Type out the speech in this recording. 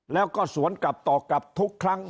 แล้วก็สวนกลับต่อกลับทุกครั้ง